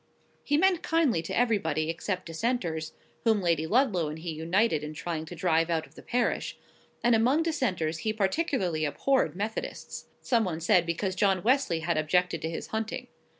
He meant kindly to everybody except dissenters, whom Lady Ludlow and he united in trying to drive out of the parish; and among dissenters he particularly abhorred Methodists—some one said, because John Wesley had objected to his hunting.